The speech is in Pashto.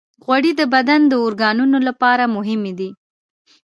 غوړې د بدن د اورګانونو لپاره مهمې دي.